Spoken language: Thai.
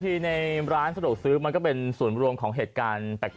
ในร้านสะดวกซื้อมันก็เป็นส่วนรวมของเหตุการณ์แปลก